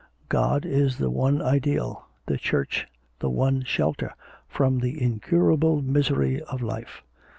God is the one ideal, the Church the one shelter, from the incurable misery of life.